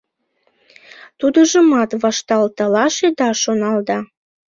Тудыжымат вашталталаш ида шонал да